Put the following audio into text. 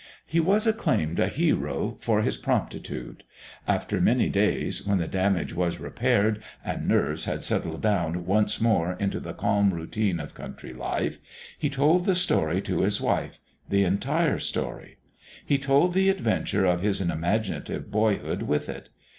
He was acclaimed a hero for his promptitude. After many days, when the damage was repaired, and nerves had settled down once more into the calm routine of country life, he told the story to his wife the entire story. He told the adventure of his imaginative boyhood with it.